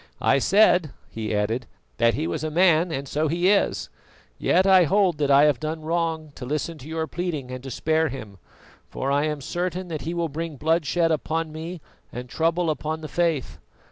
"I said," he added, "that he was a man, and so he is; yet I hold that I have done wrong to listen to your pleading and to spare him, for I am certain that he will bring bloodshed upon me and trouble on the Faith.